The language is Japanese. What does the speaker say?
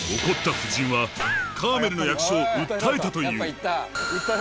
怒った夫人はカーメルの役所を訴えたという。